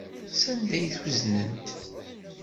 Sanda ay t-uznent?